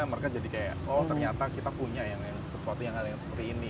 mereka jadi kayak oh ternyata kita punya sesuatu yang hal yang seperti ini